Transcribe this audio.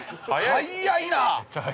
◆早いなー。